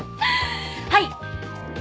はい。